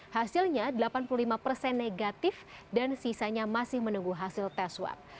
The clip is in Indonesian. hasilnya delapan puluh lima persen negatif dan sisanya masih menunggu hasil tes swab